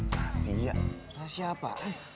rahasia rahasia apa